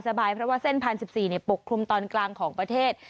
สบายเพราะว่าเส้นพันสิบสี่ในปกคลุมตอนกลางของประเทศ